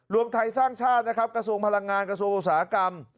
รวมไทยสร้างชาตินะครับกระทรวงพลังงานกระทรวงอุตสาหกรรม